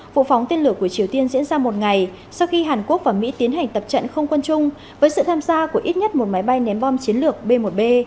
vụ phóng tên lửa của triều tiên diễn ra một ngày sau khi hàn quốc và mỹ tiến hành tập trận không quân chung với sự tham gia của ít nhất một máy bay ném bom chiến lược b một b